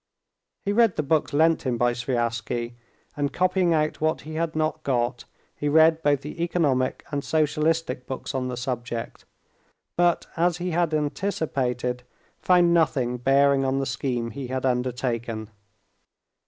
He read the books lent him by Sviazhsky, and copying out what he had not got, he read both the economic and socialistic books on the subject, but, as he had anticipated, found nothing bearing on the scheme he had undertaken.